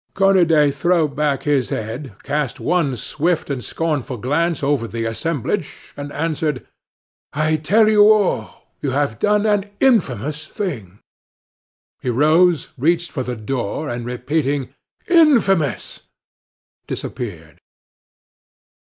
Cornudet threw back his head, cast one swift and scornful glance over the assemblage, and answered: "I tell you all, you have done an infamous thing!" He rose, reached the door, and repeating: "Infamous!" disappeared.